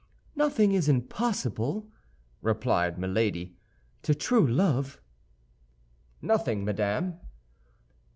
"Nothing is impossible," replied Milady, "to true love." "Nothing, madame?"